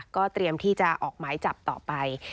เตรียมที่จะออกหมายจับต่อไป